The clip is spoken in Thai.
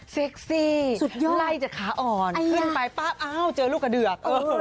เซ็กซี่ไล่จากขาอ่อนขึ้นไปป๊าบเอาเจอลูกกระเดือก